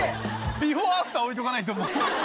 ビフォーアフター置いとかないと。